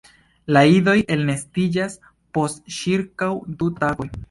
La idoj elnestiĝas post ĉirkaŭ du tagoj.